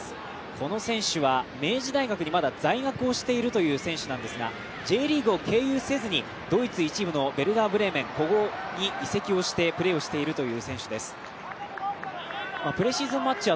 この選手は明治大学にまだ在学をしているという選手なんですがＪリーグを経由せずにドイツ一部のヴェルダー・ブレーメンに移籍をしてプレーしている選手です。